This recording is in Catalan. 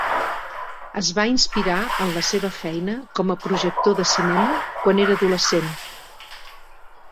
Es va inspirar en la seva feina com a projector de cinema quan era adolescent.